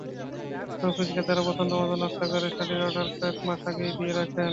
শৌখিন ক্রেতারা পছন্দমতো নকশা করা শাড়ির অর্ডার কয়েক মাস আগেই দিয়ে রাখেন।